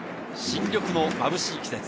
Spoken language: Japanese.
新緑のまぶしい季節。